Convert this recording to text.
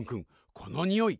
このにおい。